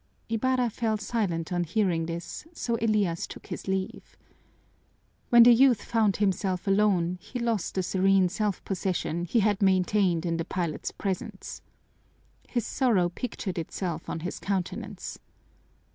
Ibarra fell silent on hearing this, so Elias took his leave. When the youth found himself alone he lost the serene self possession he had maintained in the pilot's presence. His sorrow pictured itself on his countenance.